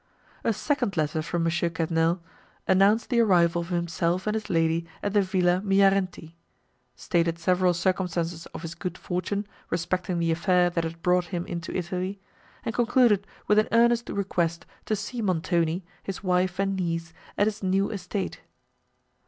A second letter from M. Quesnel announced the arrival of himself and his lady at the Villa Miarenti; stated several circumstances of his good fortune, respecting the affair that had brought him into Italy; and concluded with an earnest request to see Montoni, his wife and niece, at his new estate.